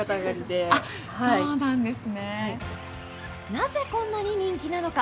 なぜこんなに人気なのか。